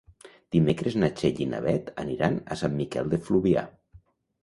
Dimecres na Txell i na Beth aniran a Sant Miquel de Fluvià.